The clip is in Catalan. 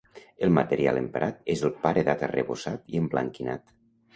El material emprat és el paredat arrebossat i emblanquinat.